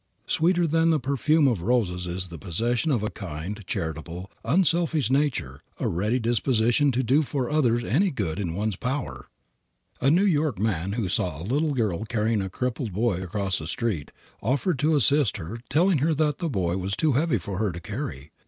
Sweeter than the perfume of roses is the possession of a kind, charitable, unselfish nature, a ready disposition to do for others any good turn in one's power. A New York man who saw a little girl carrying a crippled boy across a street, offered to assist her, telling her that the boy was too heavy for her to carry.